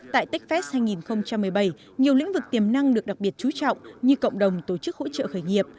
tại techfest hai nghìn một mươi bảy nhiều lĩnh vực tiềm năng được đặc biệt chú trọng như cộng đồng tổ chức hỗ trợ khởi nghiệp